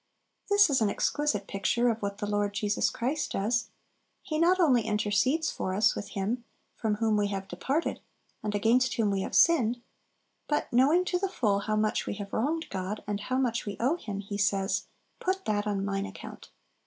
This is an exquisite picture of what the Lord Jesus Christ does. He not only intercedes for us with Him from whom we have departed, and against whom we have sinned; but, knowing to the full how much we have wronged God, and how much we owe Him, He says, "Put that on mine account."